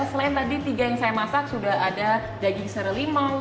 selain tadi tiga yang saya masak sudah ada daging serelimau